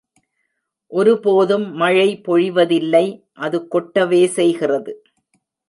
ஒருபோதும் மழை பொழிவதில்லை, அது கொட்டவே செய்கிறது.